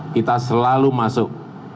kita selalu masuk